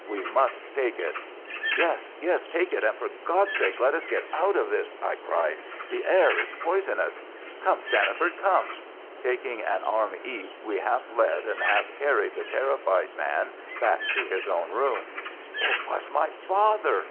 We must take it." "Yes, yes, take it, and for God's sake, let us get out of this," I cried; "the air is poisonous. Come, Stanniford, come!" Taking an arm each, we half led and half carried the terrified man back to his own room. "It was my father!"